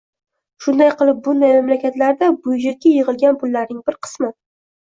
Shunday qilib, bunday mamlakatlarda byudjetga yig‘ilgan pullarning bir qismi